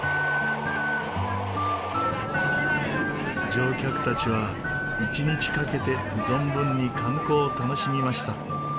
乗客たちは一日かけて存分に観光を楽しみました。